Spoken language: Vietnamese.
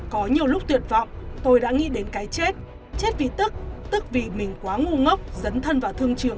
có nhiều lúc tuyệt vọng tôi đã nghĩ đến cái chết chết vì tức tức vì mình quá ngu ngốc dấn thân vào thương trường